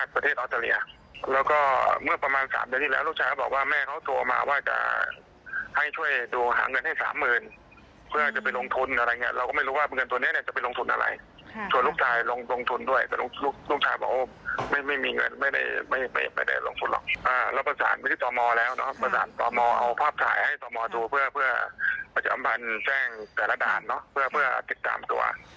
แปลงแต่ละด่านเพื่อติดตามตัว